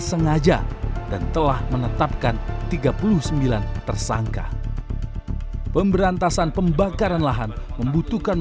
sengaja dan telah menetapkan tiga puluh sembilan tersangka pemberantasan pembakaran lahan membutuhkan